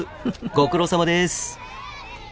ご苦労さまです。